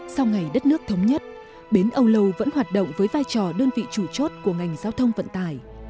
sau ngày đất nước thống nhất bến âu lâu vẫn hoạt động với vai trò đơn vị chủ chốt của ngành giao thông vận tải